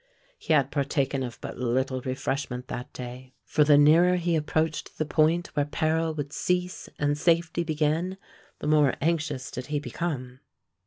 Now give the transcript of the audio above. He had partaken of but little refreshment during that day, for the nearer he approached the point where peril would cease and safety begin, the more anxious did he become.